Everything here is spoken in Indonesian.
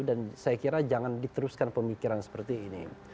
dan saya kira jangan diteruskan pemikiran seperti ini